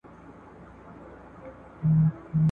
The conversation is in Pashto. له هر درده سره مل وي سپېلنی پکښی پیدا کړي ,